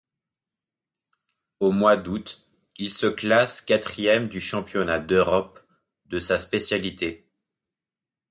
Au mois d'août, ils se classent quatrième du championnat d'Europe de la spécialité.